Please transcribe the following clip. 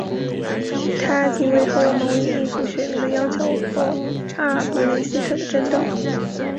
他即位后忙于应付选民的要求和阿尔布雷希特的争斗。